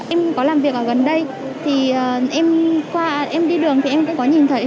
em có làm việc ở gần đây em đi đường em cũng có nhìn thấy